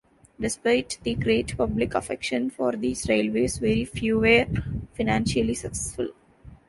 Despite the great public affection for these railways, very few were financially successful.